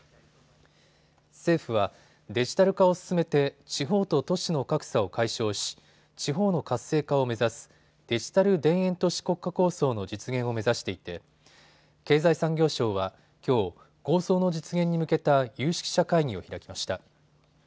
政府はデジタル化を進めて地方と都市の格差を解消し地方の活性化を目指すデジタル田園都市国家構想の実現を目指していて経済産業省はきょう、構想の実現に向けた有識者会議を開きました。